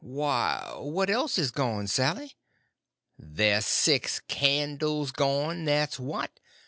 "Why, what else is gone, Sally?" "Ther's six candles gone—that's what.